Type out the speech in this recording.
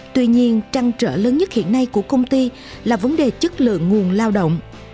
tuy nhiên trăng trở lớn nhất hiện nay của công ty là vấn đề chất lượng nguồn lao động